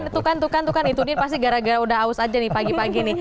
tukan tukan tukan itu dia pasti gara gara udah haus aja nih pagi pagi nih